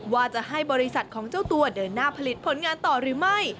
ว่าจะให้บริษัทของเจ้าตัวเดินหน้าผลิตผลงานต่อหรือไม่